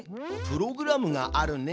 プログラムがあるね。